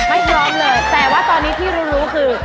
พร้อมเลยแต่ว่าตอนนี้ที่รู้รู้คือ